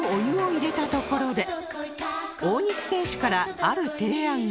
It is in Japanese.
大西選手からある提案が